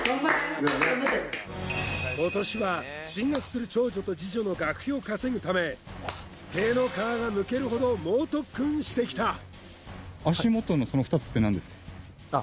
今年は進学する長女と次女の学費を稼ぐため手の皮がむけるほど猛特訓してきたあっ